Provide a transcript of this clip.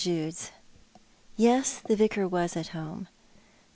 JUDe's. Yes, the Vicar was at home.